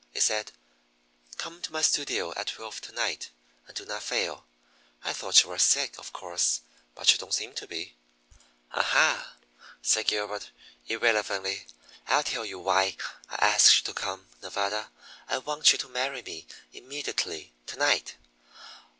It said: 'Come to my studio at twelve to night, and do not fail.' I thought you were sick, of course, but you don't seem to be." "Aha!" said Gilbert irrelevantly. "I'll tell you why I asked you to come, Nevada. I want you to marry me immediately to night.